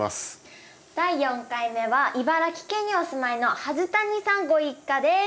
第４回目は茨城県にお住まいの筈谷さんご一家です。